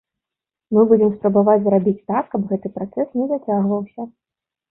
Мы будзем спрабаваць зрабіць так, каб гэты працэс не зацягваўся.